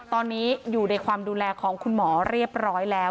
ตอนนี้อยู่ในความดูแลของคุณหมอเรียบร้อยแล้ว